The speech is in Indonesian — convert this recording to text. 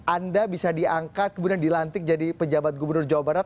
anda bisa diangkat kemudian dilantik jadi pejabat gubernur jawa barat